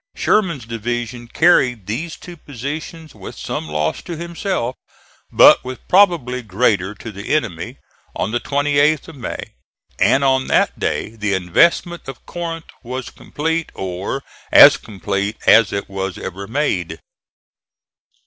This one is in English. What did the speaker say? Sherman's division carried these two positions with some loss to himself, but with probably greater to the enemy, on the 28th of May, and on that day the investment of Corinth was complete, or as complete as it was ever made.